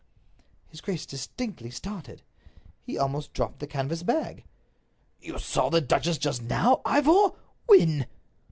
His grace distinctly started. He almost dropped the canvas bag. "You saw the duchess just now, Ivor! When?"